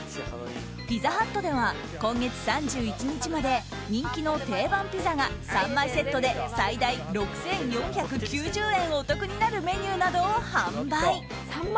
ピザハットでは今月３１日まで人気の定番ピザが３枚セットで最大６４９０円お得になるメニューなどを販売。